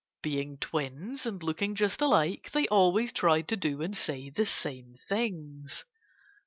Being twins, and looking just alike, they always tried to do and say the same things.